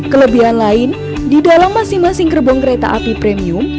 kelebihan lain di dalam masing masing gerbong kereta api premium